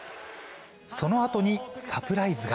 そのあとにサプライズが。